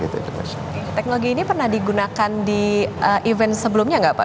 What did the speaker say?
teknologi ini pernah digunakan di event sebelumnya nggak pak